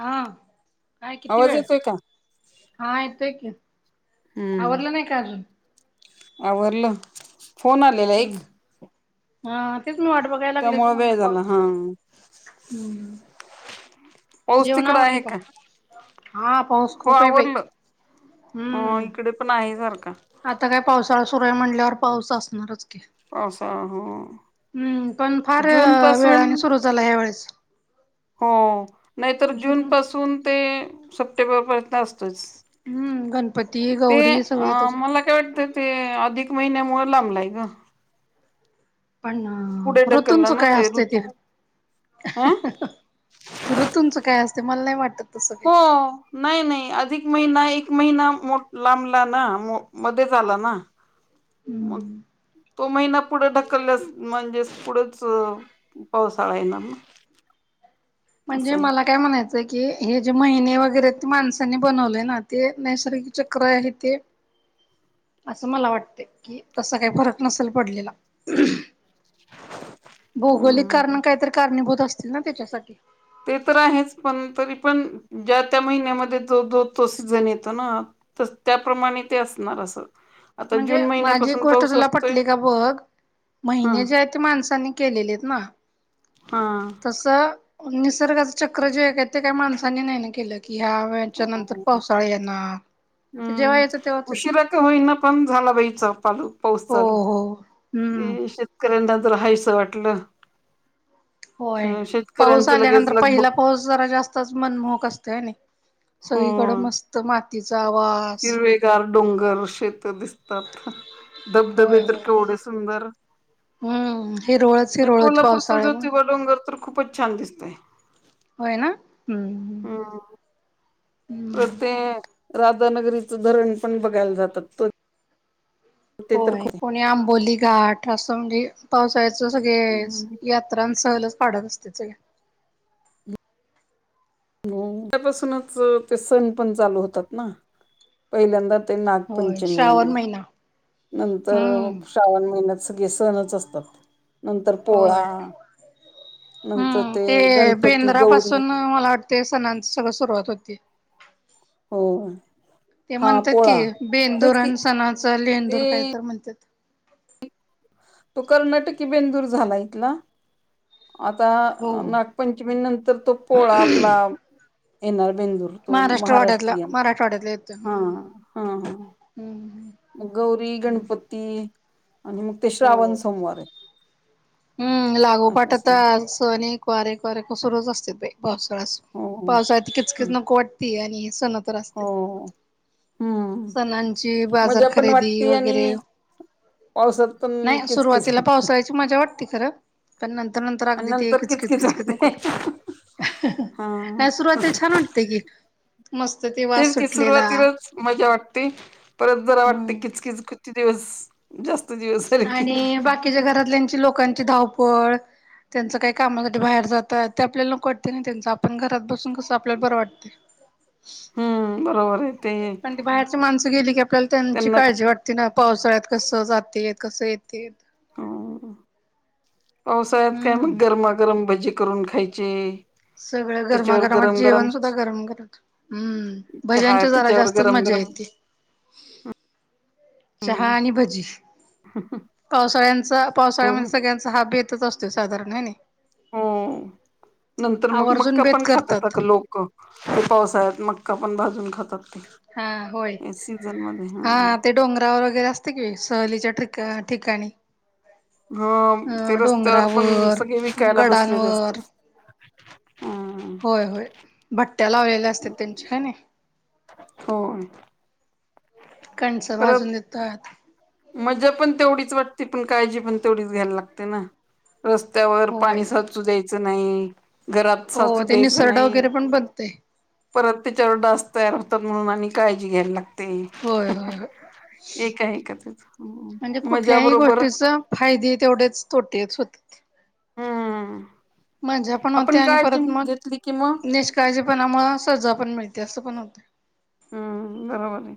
हा काय किती आवाज वेळ येतोय का? हा येतोय की आवरल नाही का अजुन? आवरल फोन आलेला एक. हम्म हा तेच मी वाट बघायला लागली त त्यामुळे म्हणले वेळ कॉल् झाला हा. हम्म पाऊस जेवण तिकडं आवरली आहे का पण हा पाऊस हो खूप आहे बाई- आवरलं ह हम्म इकडे पण आहे सारखा आता काय पावसाळा सुरू आहे म्हटल्यावर पाऊस असणारच. की आसा ह हम्म पण फार वेळाने सुरू झाला ह्या वेळेस हो नाहीतर जून पासून ते सप्टेंबर पर्यंत असतो. हम्म गणपती- ते गौरी अ सगळं त्याच्यात मला काय वाटतं ते अधिक महिन्यामुळ लांबलाय ग पण पुढे नां ढकलला ऋतूंच ना काय असतंय ते ऋतू हं हाहाहा ऋतूंच काय असते मला नाही वाटत तसं काही हो नाही नाही अधिक महिना एक एक महिना लांबला ना मध्येच आला ना मग हम्म तो महिना पुढे ढकलल्यास म्हणजे पुढंच- पावसाळा आहे ना मग म्हणजे मला काय म्हणायचं- म्हणायच की हे जे महिने वगैरे ते माणसाांनी बनवलेय ना ते नैसर्गिक चक्र आहे ते असं मला वाटते कि तस काही फरक नसेल पडलेला. [unintelligible] भौगोलिक हम्म कारण काहीतरी कारणीभूत असतील ना त्याच्यासाठी ते तर आहेच पण तरी पण ज्या त्या महिन्यामध्ये जो तो सीझन येतो ना तर त्याप्रमाणे ते असणार असं आता म्हणजे जून माझी महिन्यापासून गोष्ट पाऊस तुला असतोय पटली का बघ हा महिने जे आहेत ते माणसांनी केलेले आहेत ना हा तस- निसर्गाचं चक्र जे आहे ते काही माणसांनी नाही नाही केलं. कि ह्या वळेच्या नंतर पावसाळा येणार ते जेव्हा यायचं हम्म तेव्हाच येते उशीरा का होईना पण झाला बाई चालु पाऊस हो चालू हो ते हम्म. शेतकऱ्यांना तुला हायस वाटलं होय पाऊस शेतकऱ्यांचं लगेच आल्यानंतर पहिला लगबग पाऊस जरा जास्तच मनमोहक असतोय नि सगळीकडें हो मस्त माती हिरवेगार डोंगर, शेत दिसतात धबधबे होय तर होय. केवढे सुंदर हम्म हिरवळच हे हिरवळ होती कोल्हापूरचा पावसाळ्यामुळे ज्योतिबा डोंगर तर- खूपच छान दिसतय. होय ना हम् हम... हम्म तर ते राधा नगरीचं धरण पण बघायला जातात तो ते तर होय खूप कोणी आंबोली घाट असं म्हणजे पावसाळ्यात सगळे यात्रां सहलच काढत असते सगळे हो त्यापासूनच ते सण पण चालू होतात ना पहिल्यांदा होय नागपंचमी श्रावण महिना. नंतर हम्म श्रावण महिना चालू सगळे सणच असतात. नंतर पोळा होय. नंतर हम्म ते गणपती, गौरी ते सणाची सगळी सुरुवात होती हो.... ते हा म्हणतात कि पोळा बेंदूर तेच की आणि सणाच ते लेहंदूर काय तर म्हणतात. [unintelligible] तो कर्नाटकी बेंदूर झाला इथला आता हो. नागपंचमी नंतर तो पोळा आपला येणार शेंदूर तो महाराष्ट्रवाड्यातला महाराष्ट्रीयन मराठवाड्यातला येतो हा हम्म. हा ह हम्म. गौरी गणपती आणि मग ते हो. श्रावण सोमवार एत हम्म लागोपाठ तर सनेक वारेक वार एक वार सुरूच असतेत बाई पावसाळा हो हो पावसाळ्यात किचकीच हं. नको वाटती आणि हे सण तर असतेत हो हम्म सणांची बाजार मजा पण खरेदी वाटते वगैरे आणि पावसात पण नाही किचकीच सुरुवातीला वाटते पावसाळ्याची मजा वाटती खरं पण नंतर नंतर आणि अगदी ते नंतर किचकीच वाटते नको वाटते ह... हा नाही सुरुवातीला छान वाटतंय की मस्त ते वास तेच की सुटलेला सुरुवातीलाच मजा वाट ती परत जरा वाटते हम्म. किचकीच किती दिवस जास आणि बाकीच्या घरातल्यांची लोकांची धावपळ त्यांचं काही कामासाठी बाहेर जातात, ते आपल्याला नको वाटतं ना त्यांच, आपण घरात बसून कसं आपल्याला बरं वाटतंय. हं बरोबर आहे ते त गेली की आपल्याला त्यांची त्यांना काळजी वाटते ना पावसाळ्यात कसं जातेय कसं ये ते! हम्म पावसाळ्यात काय मग गरमागरम भजी करून खायचे. सगळं त्याच्यावर गरमागरम गरम गरम जेवण सुद्धा गरम गरम हम्म चहा भज्यांची जरा त्याच्यावर जास्त गरम मजा गरम येते चहा हम्म आणि भजी... पावसाळ्यांचा पावसाळ्यामध्ये हम्म सगळ्यांचा हा बेत तच असतो साधारण हाय नै हो नंतर मग आवर्जून मक्का बेत पण करतात खातात लोकं पावसाळ्यात मक्का पण भाजून खात हा होय हा ते डोंगरावर वगैरे असते कि सहलीच्या ठि ठिकाणी हा अ ते रस्त्यावर पण डोंगरावर सगळे विकायला बसलेले गडांवर असतात हम्म होय, होय भट्ट्या लावलेल्या असतात त्यांच्या हाय ने. हो! कणसं परत भाजून देतात. मजा पण तेवढीच वाटते, पण काळजी पण तेवढीच घ्यायला लागते ना. रस्त्यावर होय पाणी साचू द्यायचं नाई घरात हो साचू ते द्यायचं निसरडा नाई, वगैरे पण बनते परत त्याच्यावर डास तयार होत तात आणी म्हणून आणि काळजी घ्यायला लागते, होय होय होय एकां एकच आहे का त म्हणजे कुठल्याही गोष्टीचं फायदे तेवढेच तोटेच होत हूं! मजा पण होते आणि परत मग कि मग निष्काळजीपणामुळे सजा पण मिळते असं पण होतं. हूं बरोबर आहे,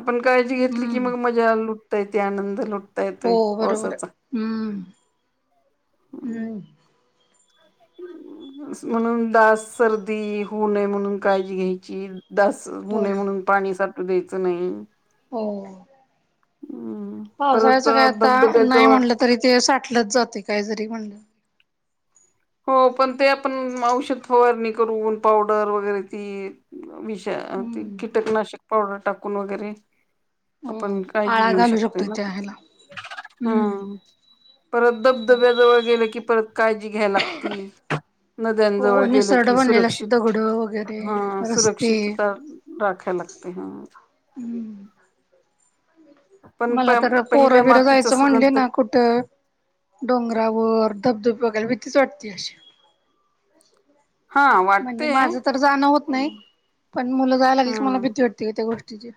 आपण काळजी घेतली की हम्म मग मजा लुटता येते आनंद लुट ता हो येतोय बरोबर पावसाचा. आहे हम्म हम्म म्हणून दास सर्दी होऊ नये, म्हणून काळजी घ्यायची. दास होऊ होय नये म्हणून, पाणी साठू द्यायचं नाही. हो! हम्म परत पावसाळ्याचं काय आता, धबधब्या नाही जवळ म्हटलं तरी ते साठलंच जातंय काय जरी म्हणलं. हो पण ते आपण औषध फवारणी करून पावडर वगैरे ती अ ती हम्म. कीटकनाशक पावडर टाकून वगैरे. आपण हम्म काळजी आळा घेऊ घालू शकतोय ना त्या ह्याला. हम्म. हं. परत धबधब्याजवळ गेलं की परत काळजी घ्याय लागती. नद्यांजवळ हो गेलं निसरड की बनलेले असतात सुरक्षित दगड वगैरे हा रस्ते. सुरक्षितता राखायला लागती हा! हुं! पण प मला तर पोर पहिल्या बिरं मातीचा जायचं म्हणले सुगंध ना कुठं डोंगरावर धबधबा बघायला भीतीच वाटते अशी. हा म्हणजे वाटते माझं तर जाणं होत पण नाही. पण मुलं जायालागली की मला हम्म भीती वाटते गं त्या गोष्टीची.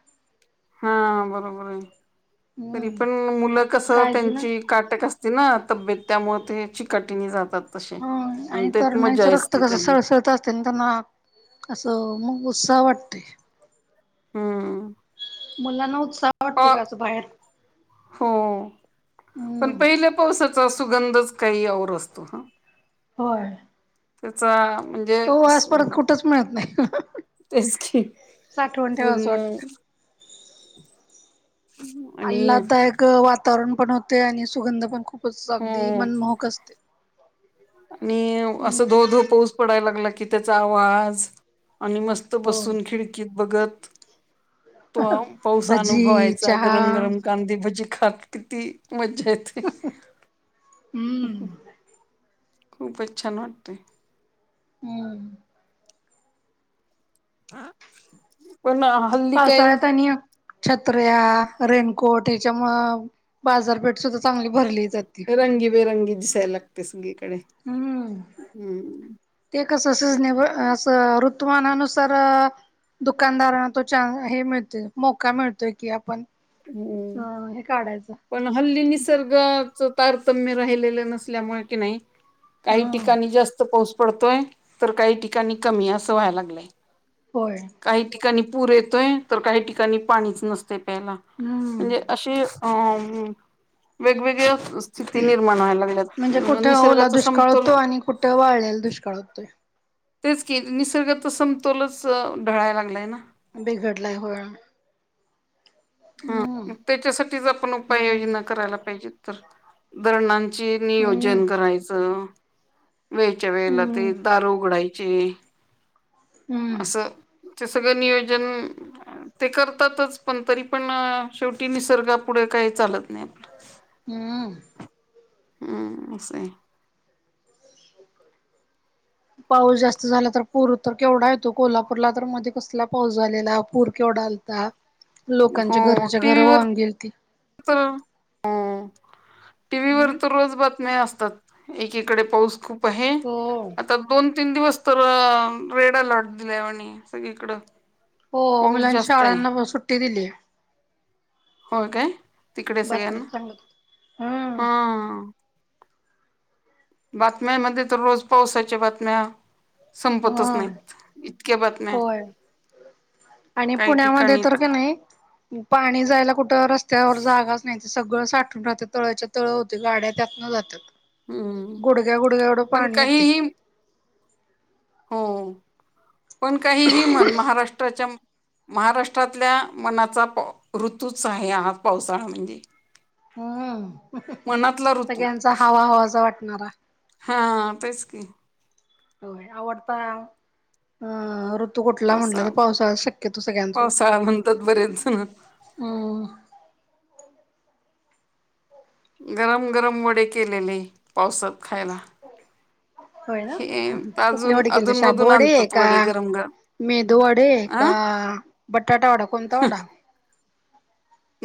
हा बरोबर आहे तरी हम्म पण मुलं कस काळजी ना. त्यांची काटेक अस ते ना तब्येत त्यामुळे ते चिकटिणी जातात. तसे हां आणि त्यात तरूणाईच मजा रक्त असते कस त्यांना सळसळत असतय त्यांना असं मग सावाटत्य हुं. मुलांना उत्साह वाटतय गं अस बाहेर. हों हम्म पण पहिल्या पावसाचा सुगंधच- काही और असतो हां. होय. त्याचा म्हणजे तो वास स- परत कुठंच मिळत नाही. तेच की साठवण ठेवा पूर्ण असं वाटतं आणि आल्हाददायक अं वातावरण पण होतेय आणि सुगंध पण खूप च अगदी हो मनमोहक असते. आणि हम्म असं धो धो पाऊस पडायला लागला की त्याचा वास आणि मस्त हो बसून खिडकीत बघत तों आं पाऊस भजी अनुभवायचा चहा गरम गरम कांदीे भजी खात किती मज जा येते. खूपच छान वाटतय. हुं! [unintelligible] हल्ली काय पावसाळ्यात आणि छत्र्या रेनकोट ह्याच्यामुळ बाजारपेठ सुद्धा चांगली भरली जाते रंगी बेरंगी दिसायला लागतय सगळीकडे. हुं हम्म ते कसं सिझनेबल असं- ऋतु मानानुसार अं दुकानदारांना तो च्याह हे मिळते मोका मिळतोय की आपण अ हुं हे काढायचं पण हल्ली निसर्गाचं तार त्यंम राहिलेल नसल्यामुळे कीनी हा काही ठिकाणी जास्त पाऊस पडतोय, तर काही ठिकाणी कमी असं व्हाय लागलंय. होय. काणी पूर येतोय तर काही ठिकाणी पाणीचं नसतय प्यायला हम्म म्हणजे अशी अ म. वेगवेगळ्या स्थिती निर्माण व्हायला म्हणजे लागल्यात कुठं ओला निसर्गाचा दुष्काळ समतोल होतो, आणि कुठं वाळलेला दुष्काळ होतोय. [inaudible] तेचकी निसर्गाच समतोलच ढाळाय लागलाय नां. बिघडलाय होय. हां हम्म मग त्याच्यासाठीच आपण हम्म उपाययोजना करायला पाहिजे तर धरणान ची हम्म नियोजन करायचं. वेळच्या वेळेला ते हम्म दार उघडायची. हुं. ते सगळं नियोजन ते करतातच पण तरी पण शेवटी निसर्गापुढे काही चालत नाही आपल. हुं. हुं असाय. पाऊस जास्त झाला तर पूर तर केवढा येतो कोल्हापूरला तर मध्ये कसला पाऊस झालेला पूर केव डाआलता लोकांच्या घराच्या घर वाहून गेलती. [unintelligible] टीव्ही व हम्म तर रोज बातम्या असतात. एकीकडे पाऊस खूप आहे, हो आता दोन तीन दिवस तर रेड अलॉट दिला आणि सगळीकडं हो पाऊस मुलानी जास्त आहे शाळांना सुट्टी दिली. होय काय तिकडे सगळ्यांना. बातम्यात सांगत होते. हम्म हा. बातम्यामध्ये तर रोज पावसाच्या बातम्या संपतच हम्म नाहीत इतक्या बातम्या. होय आणि काही पुण्यामध्ये ठिकाणी तर का नाही पाणी जायला कुठं रस्त्यावर जागाच नाही. ते सगळं साठून राहत तळच्या तळ होते गाड्या त्यातनं जातात. हम्म गुडग्या गुडग्या डं पण पाणी होेत. काहीही हो पण काहीही म्हण महाराष्ट्राच्या महाराष्ट्रातल्या मनाचा ऋतूच आहे हा पावसाळा म्हणजे हम्म मनातला ऋतू सगळ्यांचा हवा हवाचा वाटणारा. हा तेच क. होय आवडता अत तू कुठला म्हटलं तर पावसाळा शक्य तू सगळ्यांच इथ पावसाळा म्हणतात बरेच जण. ह. गरम गरम वडे केलेले पावसात खायला. होय ना हे तर कसली अजून ओढे केली तु शाब अधूनमधून ओढ आहे आणतात का. वडे गरम गरम मेदू वडे अ का बटाटा वडा कोणता वडा?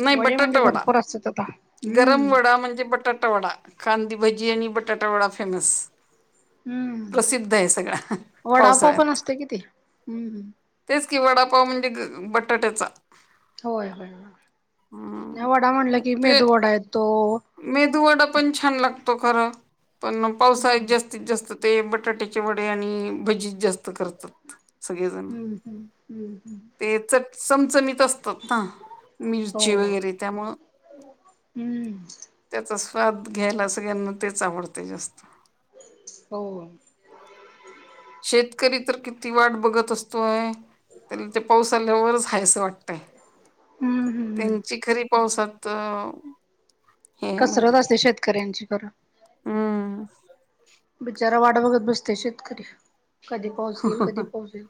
नाही वडे म्हणजे बटाटा वडा. भरपूर असतात आता‌‌. गरम वडा म्हणजे बटाटा वडा खांदीभजी आणि बटाटा वडा फेमस. हम्म प्रसिद्ध आहे सगळा वडापाव पण पावसाळ्यात. असते कि ते हम्म तेच कि वडापाव म्हणजे बटाट्याचा होय हम्म. होय वडा म्हणलं की मेध वडा येतो. मेदूवाडा पण छान लागतो खर पण पावसाळ्यात जास्तीत जास्त ते बटाट्याचे वडे आणि भजी जास्त करतात. सगळेजण हम्म हम्म हम्म हम्म ते तर चमचमीत असतात ना हो मिरची वगैरे त्यामुं हम्! स्वाद घ्यायला सगळ्यांना तेच आवडते जास्त. हो. शेतकरी तर किती वाट बघत असतोय तर ते पाऊस आल्यावरच हायसं वाटत. हम्म हम्म हम्म त्यांची खरी पावसात हे आहे कसरत म्हणजे असते शेतकऱ्यांची खरं. हम्म. बिचारा वाट बघत बसते शेतकरी कधी पाोहचेल कधी पोहोचेल.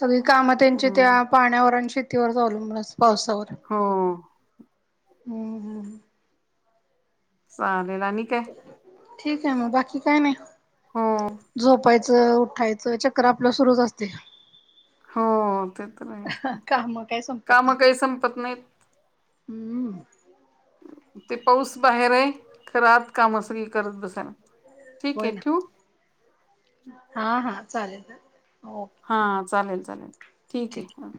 सगळी कामं त्यांचे हम्म त्या पाण्यावर आणि शेतीवर चालू म्ह पावसावर हो चालेला न काय? ठीक आहे मग बाकी काय नाही हो झोपायचं. उठायचं चक्र आपलं सुरूच असते. हो ते तर राहीच काम काय संपत काम नाहीत काही संपत नाहीत. हम्म! ते पाऊस बाहेर आहे खरात काम असल करत बसायला. ठीक होय आहे ना ठेवू? हा हा चालेल. ओके हा चालेल चालेल ठीक आहे.